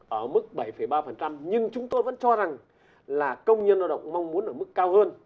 ở mức bảy ba nhưng chúng tôi vẫn cho rằng là công nhân lao động mong muốn ở mức cao hơn